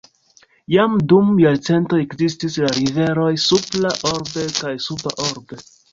Jam dum jarcentoj ekzistis la riveroj "Supra Orbe" kaj "Suba Orbe".